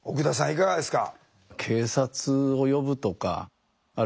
いかがですか？